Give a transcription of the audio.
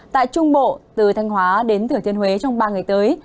tại trung bộ từ thanh hóa đến thừa thiên huế trong ba ngày tới